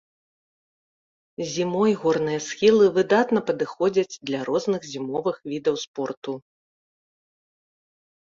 Зімой горныя схілы выдатна падыходзяць для розных зімовых відаў спорту.